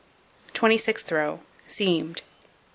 Twenty sixth row: Seamed.